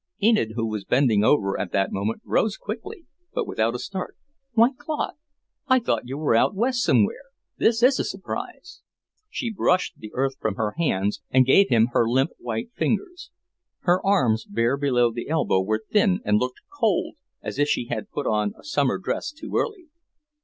Enid, who was bending over at that moment, rose quickly, but without a start. "Why, Claude! I thought you were out West somewhere. This is a surprise!" She brushed the earth from her hands and gave him her limp white fingers. Her arms, bare below the elbow, were thin, and looked cold, as if she had put on a summer dress too early.